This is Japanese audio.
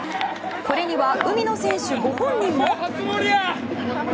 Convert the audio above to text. これには海野選手ご本人も。